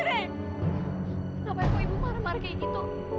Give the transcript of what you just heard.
kenapa ibu ibu marah marah kayak gitu